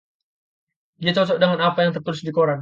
Dia cocok dengan apa yang tertulis di koran.